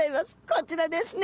こちらですね。